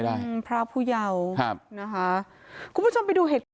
เดี๋ยวให้กลางกินขนม